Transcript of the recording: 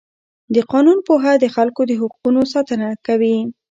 د قانون پوهه د خلکو د حقونو ساتنه کوي.